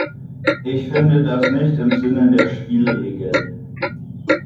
Ich finde das nicht im Sinne der Spielregeln.